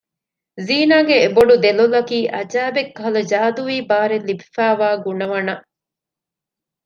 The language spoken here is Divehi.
ޒީނާގެ އެ ބޮޑު ދެލޮލަކީ އަޖައިބެއްކަހަލަ ޖާދޫވީ ބާރެއް ލިބިފައިވާ ގުނަވަނައް